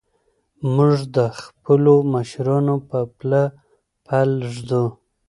موږ د خپلو مشرانو په پله پل ږدو.